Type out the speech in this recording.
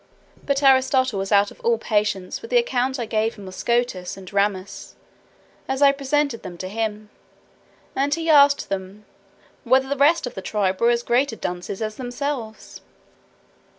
But Aristotle was out of all patience with the account I gave him of Scotus and Ramus, as I presented them to him; and he asked them, "whether the rest of the tribe were as great dunces as themselves?"